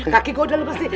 kaki gue udah lemes nih